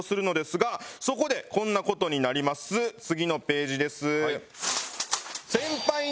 次のページです。